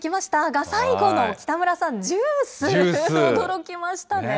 が、最後の北村さんのジュース、驚きましたね。